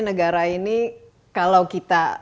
negara ini kalau kita